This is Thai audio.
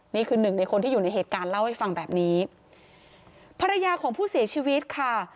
นี่คือหนึ่งในคนที่อยู่ในเหตุการณ์เล่าให้ฟังแบบนี้ภรรยาของผู้เสียชีวิตค่ะ